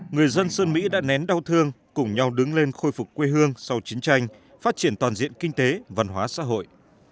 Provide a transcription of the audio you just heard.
người dân sơn mỹ đã nén đau thương cùng nhau đứng lên khôi phục quê hương sau chiến tranh phát triển toàn diện kinh tế văn hóa xã hội